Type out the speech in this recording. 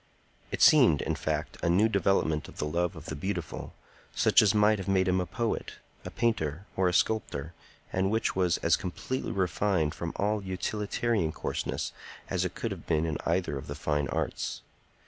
It seemed, in fact, a new development of the love of the beautiful, such as might have made him a poet, a painter, or a sculptor, and which was as completely refined from all utilitarian coarseness as it could have been in either of the fine arts.